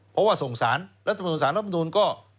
เพราะว่าสงสารแล้วสงสารแล้วบรรทุนก็